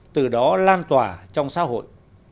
từ đó lan tỏa trong xã hội